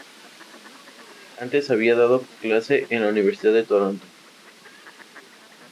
Antes había dado clase en la Universidad de Toronto.